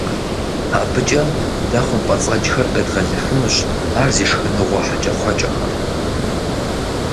АбыкӀэ дэ хъумпӀэцӀэджхэр къедгъэлыфынущ ар зи шхыныгъуэ хьэкӀэкхъуэкӀэхэм.